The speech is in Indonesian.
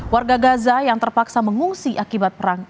warga gaza yang terpaksa mengungsi akibat perang